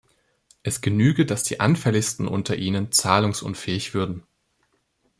Es genüge, dass die anfälligsten unter ihnen zahlungsunfähig würden.